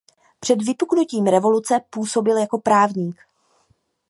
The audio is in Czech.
Před vypuknutím revoluce působil jako právník.